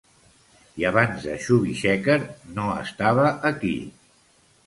I abans de Chubby Checker, no estava aquí.